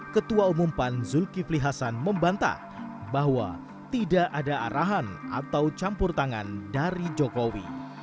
ketua umum pan zulkifli hasan membantah bahwa tidak ada arahan atau campur tangan dari jokowi